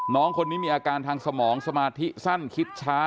น้องคนนี้มีอาการทางสมองสมาธิสั้นคิดช้า